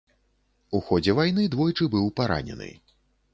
У ходзе вайны двойчы быў паранены.